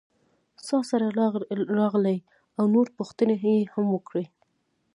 څاسره راغلې او نور پوښتنې یې وکړې.